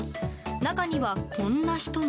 中には、こんな人も。